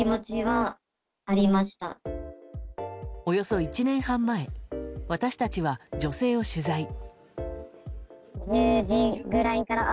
およそ１年半前私たちは女性を取材。